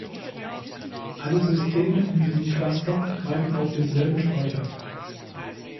Alle Systeme in diesem Cluster greifen auf denselben Speicher zu.